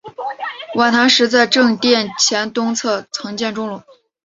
晚唐时在正殿前东侧增建钟楼。